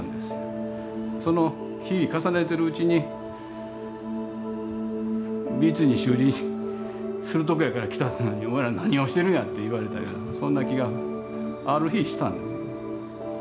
その日重ねてるうちに「美術院に修理するとこやから来たっていうのにお前ら何をしてるんや」って言われたようなそんな気がある日したんですね。